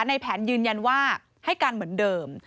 ในแผนยืนยันว่าให้การเหมือนเดิม